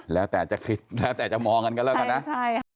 แล้วแต่จะคิดแล้วแต่จะมองกันก็เริ่มกันนะ